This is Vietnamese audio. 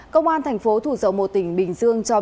công an thành phố thủ dầu một tỉnh bình dương cho biết